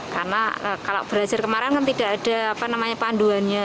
karena kalau belajar kemarin kan tidak ada panduannya